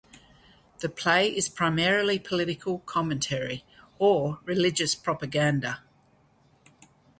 The play is primarily political commentary - or religious propaganda.